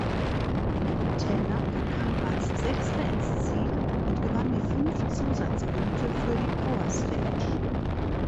Tänak kam als Sechster ins Ziel und gewann die fünf Zusatzpunkte für die Powerstage.